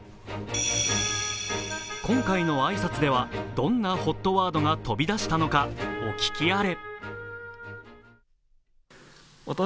今回の挨拶ではどんなＨＯＴワードが飛び出したのか、お聞きあれ。